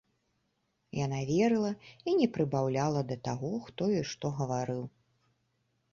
Яна верыла і не прыбаўляла да таго, хто ёй што гаварыў.